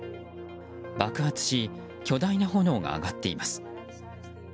爆発し、巨大な炎が上がっています。